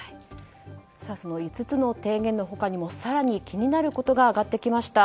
その５つの提言の他にも更に気になることが分かってきました。